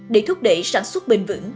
để thúc đẩy sản xuất bình vững